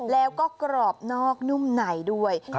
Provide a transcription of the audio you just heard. แล้วก็กรอบนอกนุ่มไหนด้วย